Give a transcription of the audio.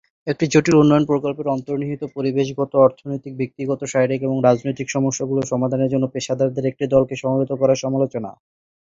একটি জটিল উন্নয়ন প্রকল্পের অন্তর্নিহিত পরিবেশগত, অর্থনৈতিক, ব্যক্তিগত, শারীরিক এবং রাজনৈতিক সমস্যাগুলি সমাধানের জন্য পেশাদারদের একটি দলকে সমবেত করা সমালোচনা।